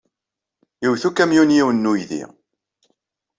Iwet ukamyun yiwen n uydi.